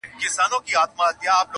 زه دي نه وینم د خپل زړگي پاچا سې-